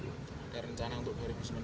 ada rencana untuk dua ribu sembilan belas